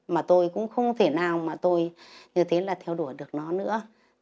mà tôi cũng không thể nào mà tôi như thế là theo đuổi được nó nữa